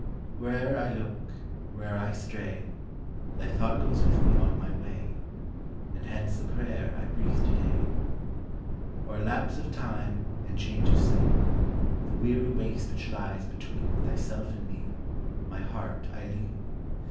Where'er I look, where'er I stray, Thy thought goes with me on my way, And hence the prayer I breathe to day : O'er lapse of time and change of scene, The weary waste which lies between Thyself and me, my heart I lean.